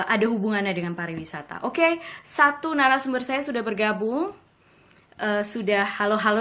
ada hubungannya dengan pariwisata oke satu narasumber saya sudah bergabung sudah halo halo